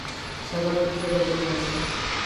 سبا پنځه بجې راځم